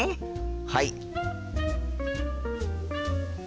はい！